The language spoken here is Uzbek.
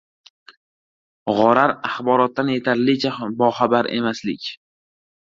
G‘orar – axborotdan yetarlicha boxabar emaslik